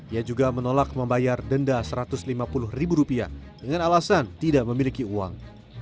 ia juga menolak membayar denda rp satu ratus lima puluh ribu rupiah dengan alasan tidak memiliki uang